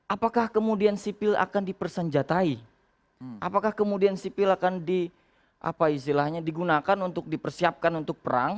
apakah kemudian sipil akan dipersenjatai apakah kemudian sipil akan di apa istilahnya digunakan untuk dipersiapkan untuk menangkap